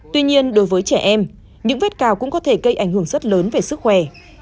tuy nhiên đối với trẻ em những vết cào cũng có thể gây ảnh hưởng rất lớn về sức khỏe